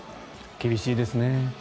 厳しいですね。